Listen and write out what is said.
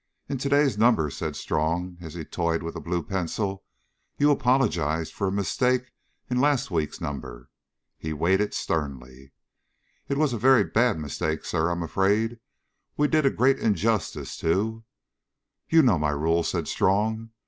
"In to day's number," said Strong, as he toyed with a blue pencil, "you apologise for a mistake in last week's number." He waited sternly. "It was a very bad mistake, Sir, I'm afraid. We did a great injustice to " "You know my rule," said Strong.